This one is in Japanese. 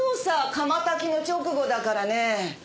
窯焚きの直後だからね。